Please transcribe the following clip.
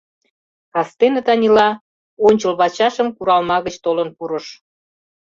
Кастене Танила ончылвачашым куралма гыч толын пурыш.